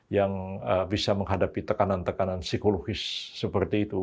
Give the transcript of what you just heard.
yang bisa menghadapi tekanan tekanan psikologis seperti itu